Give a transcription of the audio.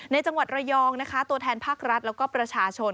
จังหวัดระยองนะคะตัวแทนภาครัฐแล้วก็ประชาชน